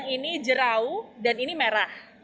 ini jerau dan ini merah